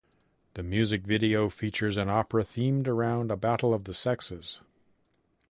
The music video features an opera themed around a battle of the sexes.